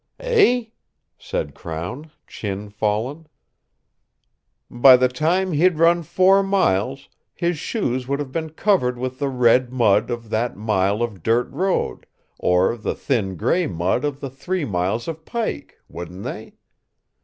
"Eh?" said Crown, chin fallen. "By the time he'd run four miles, his shoes would have been covered with the red mud of that mile of 'dirt road' or the thin, grey mud of the three miles of pike wouldn't they?